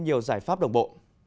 nhiều giải pháp đồng bộ